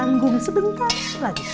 anggung sebentar lagi